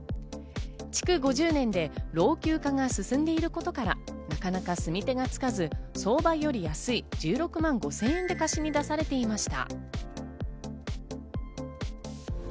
築５０年で老朽化が進んでいることからなかなか住み手がつかず、相場より安い１６万５０００円で貸しに出されていました。